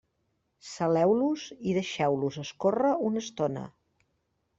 Saleu-los i deixeu-los escórrer una estona.